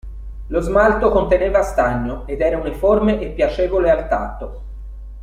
Lo smalto conteneva stagno, ed era uniforme e piacevole al tatto.